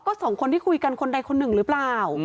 ก็สองคนที่คุยกันคนใดคนหนึ่งหรือเปล่า